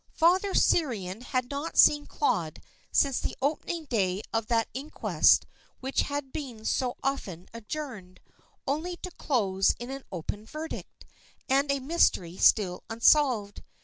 Father Cyprian had not seen Claude since the opening day of that inquest which had been so often adjourned, only to close in an open verdict, and a mystery still unsolved.